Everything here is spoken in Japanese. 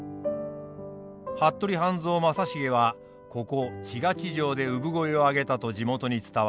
服部半蔵正成はここ千賀地城で産声を上げたと地元に伝わります。